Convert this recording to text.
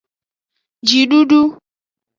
Jidudu.